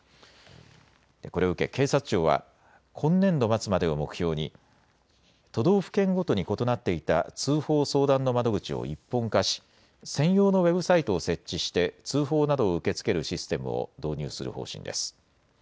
これを受け警察庁は今年度末までを目標に都道府県ごとに異なっていた通報相談の窓口を一本化し専用のウェブサイトを設置して通報などを受け付けるシステムを導入する方針です。